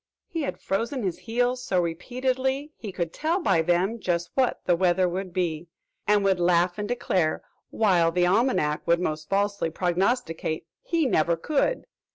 "He had frozen his heels so repeatedly, he Could tell by them just what the weather would be; "And would laugh and declare, 'while the Almanac would Most falsely prognosticate, he never could!'